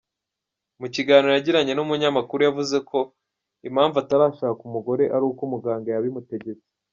Mu kiganiro yagiranye n’umunyamakuru yavuze ko impamvu atarashaka umugore ari uko muganga yabimutegetse.